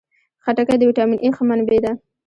خټکی د ویټامین A ښه منبع ده.